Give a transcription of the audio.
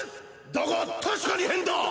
だが確かに変だ！！